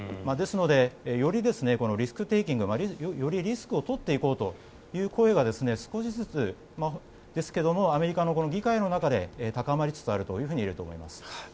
ですのでよりリスクテーキングよりリスクを取っていこうという声が少しずつですけれどアメリカの議会の中で高まりつつあるといえます。